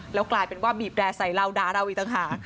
แล้วกลายเป็นว่าบีบแร่ใส่เราด่าเราอีกต่างหาก